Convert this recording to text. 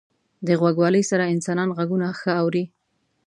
• د غوږوالۍ سره انسانان ږغونه ښه اوري.